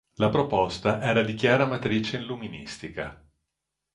La proposta era di chiara matrice illuministica.